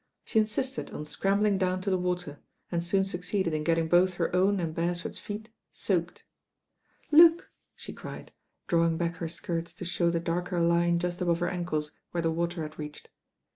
She insisted on scrambling down to the water, and soon succeeded in getting both her own and Beresford's feet soaked. "Look I" she cried, drawing back her skirts to show the darker line just above her ankles where the water had reached.